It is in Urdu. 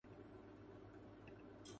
ناشتے کے بعد ہم لوگ جنگل کی سیر کو نکل پڑے